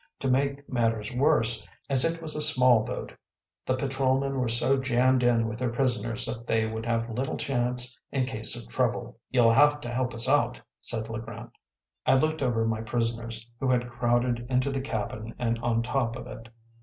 To make matters worse, as it was a small boat, the patrolmen were so jammed in with their prisoners that they would have little chance in case of trouble. “You’ll have to help us out,‚ÄĚ said Le Grant. I looked over my prisoners, who had crowded into the cabin and on top of it.